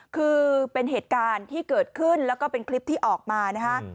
คือเป็นเหตุการณ์ที่เกิดขึ้นแล้วก็เป็นคลิปที่ออกมานะคะ